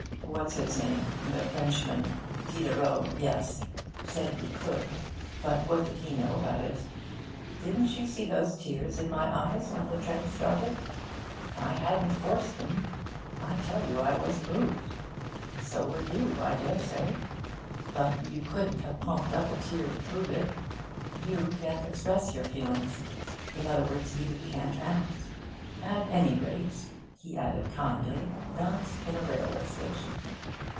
What's his name, the Frenchman Diderot, yes said you could; but what did he know about it? Didn't you see those tears in my eyes when the train started? I hadn't forced them. I tell you I was moved. So were you, I dare say. But you couldn't have pumped up a tear to prove it. You can't express your feelings. In other words, you can't act. At any rate,' he added kindly, 'not in a railway station.'